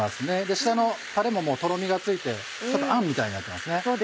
下のタレもとろみがついてあんみたいになってますね。